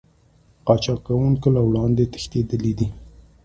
قاچاق کوونکي له وړاندې تښتېدلي دي